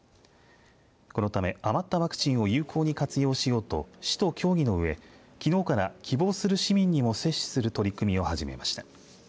このため余ったワクチンを有効に活用しようと市と協議のうえきのうから、希望する市民にも接種する取り組みを始めました。